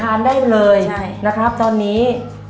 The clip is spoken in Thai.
ทานได้เลยนะครับตอนนี้